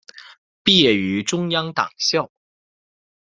毕业于中央党校。